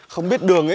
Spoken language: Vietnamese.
không biết đường ấy